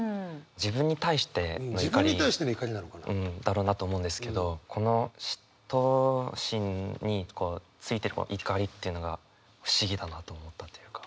自分に対しての怒りだろうなと思うんですけどこの嫉妬心についてるこの怒りっていうのが不思議だなと思ったというか。